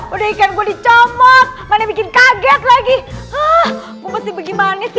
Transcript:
udah ikan gue dicomot mana bikin kaget lagi hah